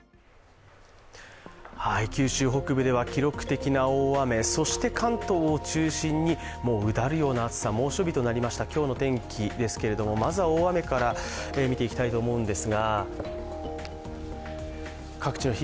九州北部では記録的な大雨そして関東を中心に、うだるような暑さ、猛暑日となりました、今日の天気ですけれども、まずは大雨から見ていきたいと思います。